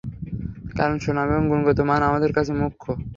কারণ সুনাম এবং গুণগত মান আমাদের কাছে মূখ্য।